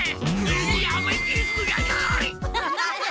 やめてください。